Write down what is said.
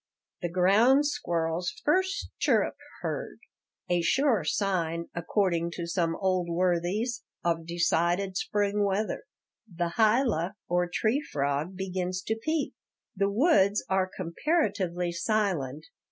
The ground squirrel's first chirrup heard, a sure sign, according to some old worthies, of decided spring weather. The hyla, or tree frog, begins to peep. "The woods are comparatively silent.